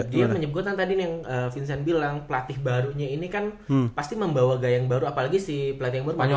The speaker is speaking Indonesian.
dia menyebutkan tadi yang vincent bilang pelatih barunya ini kan pasti membawa gaya yang baru apalagi si pelatih umur panjang